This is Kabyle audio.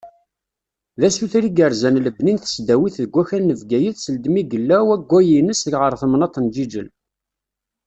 D asuter i yerzan lebni n tesdawit deg wakal n Bgayet seld mi yella wawway-ines ɣer temnaḍt n Jijel.